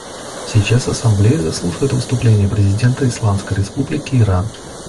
Сейчас Ассамблея заслушает выступление президента Исламской Республики Иран.